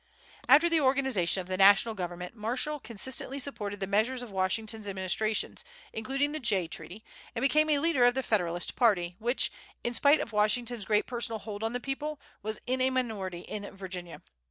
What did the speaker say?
After the organization of the national government Marshall consistently supported the measures of Washington's administrations, including the Jay treaty, and became a leader of the Federalist party, which, in spite of Washington's great personal hold on the people, was in a minority in Virginia.